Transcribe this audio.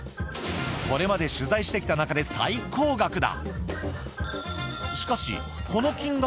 これまで取材してきた中で最高額だ。